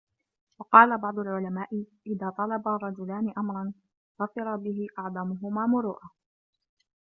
وَقَالَ بَعْضُ الْعُلَمَاءِ إذَا طَلَبَ رَجُلَانِ أَمْرًا ظَفِرَ بِهِ أَعْظَمُهُمَا مُرُوءَةً